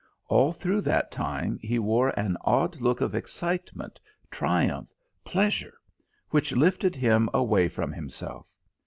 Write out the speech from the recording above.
All through that time he wore an odd look of excitement, triumph, pleasure, which lifted him away from himself.